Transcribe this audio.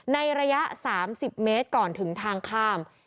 ในระยะ๓๐เมตรก่อนถึงทางข้าม